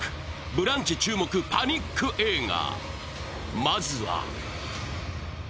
「ブランチ」注目、パニック映画。